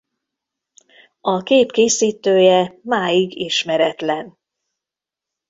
A kép készítője máig ismeretlen.